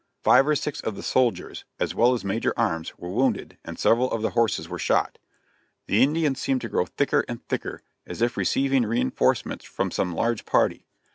Five or six of the soldiers, as well as Major Arms, were wounded, and several of the horses were shot. The Indians seemed to grow thicker and thicker, as if receiving reinforcements from some large party.